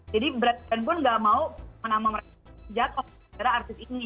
jadi brand brand pun gak mau nama mereka sejahat karena artis ini